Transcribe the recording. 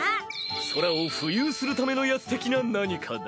空を浮遊するためのやつ的な何かだ。